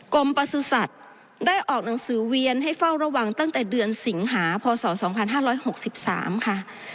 ประสุทธิ์ได้ออกหนังสือเวียนให้เฝ้าระวังตั้งแต่เดือนสิงหาพศ๒๕๖๓ค่ะ